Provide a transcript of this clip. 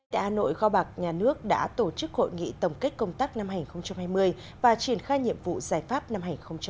tại hà nội kho bạc nhà nước đã tổ chức hội nghị tổng kết công tác năm hai nghìn hai mươi và triển khai nhiệm vụ giải pháp năm hai nghìn hai mươi